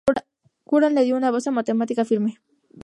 Courant le dio una base matemática firme.